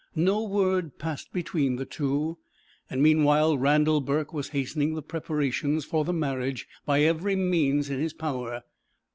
No word passed between the two, and meanwhile Randal Burke was hastening the preparations for the marriage by every means in his power.